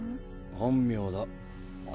本名だ。